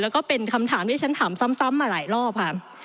แล้วก็เป็นคำถามที่ฉันถามซ้ำมาหลายรอบค่ะ